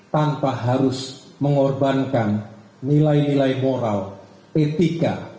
tanpa harus mengorbankan nilai nilai moral etika